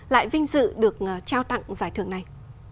lại vinh dự được trao tặng giải thưởng này